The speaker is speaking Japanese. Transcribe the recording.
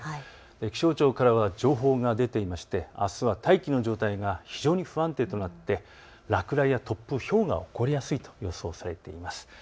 気象庁からは情報が出ていてあすは大気の状態が非常に不安定となって落雷や突風、ひょうが起こりやすいと予想されています。